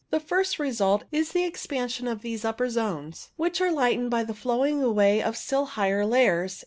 The first result is the expansion of these upper zones, which are lightened by the flowing away of still higher layers.